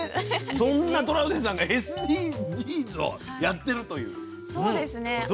そんなトラウデンさんがＳＤＧｓをやっているという。